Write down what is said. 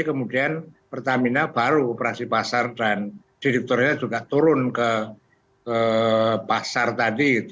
kemudian pertamina baru operasi pasar dan direkturnya juga turun ke pasar tadi